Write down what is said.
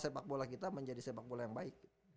sepak bola kita menjadi sepak bola yang baik